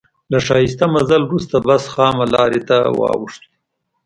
له ښایسته مزل وروسته بس خامه لارې ته واوښت.